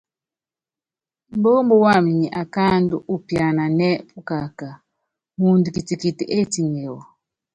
Mbómbú wam nyi akáaandú úpiananɛ́ pukaká, muundɔ kitikiti étíne wɔ.